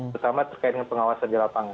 terutama terkait dengan pengawasan di lapangan